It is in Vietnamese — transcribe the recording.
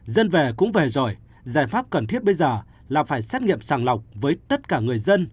dân về cũng về giỏi giải pháp cần thiết bây giờ là phải xét nghiệm sàng lọc với tất cả người dân